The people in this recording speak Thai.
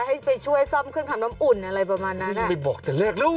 ให้ไปช่วยซ่อมเครื่องทำน้ำอุ่นอะไรประมาณนั้นไม่บอกแต่แรกลูก